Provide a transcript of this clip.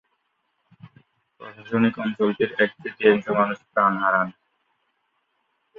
প্রশাসনিক অঞ্চলটির এক তৃতীয়াংশ মানুষ প্রাণ হারান।